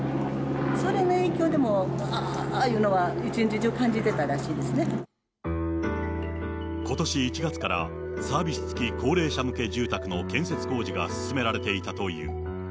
それの影響でもうどあーっていうのは、ことし１月から、サービス付き高齢者向け住宅の建設工事が進められていたという。